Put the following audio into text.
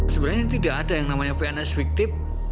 sebenarnya tidak ada yang namanya pns fiktif